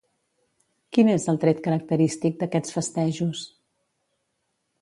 Quin és el tret característic d'aquests festejos?